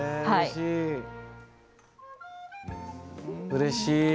うれしい。